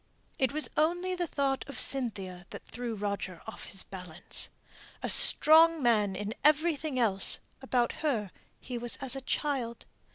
It was only the thought of Cynthia that threw Roger off his balance. A strong man in everything else, about her he was as a child.